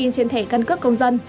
trên thẻ cân cướp công dân